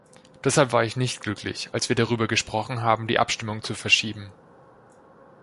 Deshalb war ich nicht glücklich, als wir darüber gesprochen haben, die Abstimmung zu verschieben.